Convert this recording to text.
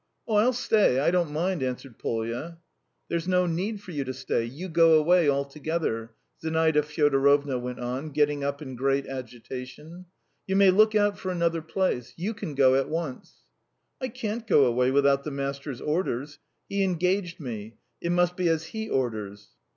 "I'll stay; I don't mind," answered Polya. "There's no need for you to stay. You go away altogether," Zinaida Fyodorovna went on, getting up in great agitation. "You may look out for another place. You can go at once." "I can't go away without the master's orders. He engaged me. It must be as he orders."